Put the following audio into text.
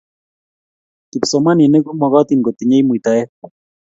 kipsomaninik komokotin kotinyei muitaet